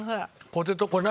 ポテト何？